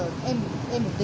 năm tám nghìn một cân thì